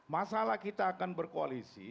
masalah kita akan berkoalisi